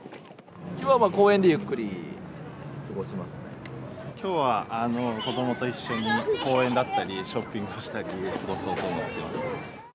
きょうは公園でゆっくり過ごきょうは子どもと一緒に公園だったり、ショッピングをしたりして過ごそうと思っています。